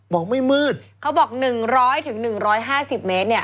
บอกไม่มืดเขาบอก๑๐๐๑๕๐เมตรเนี่ย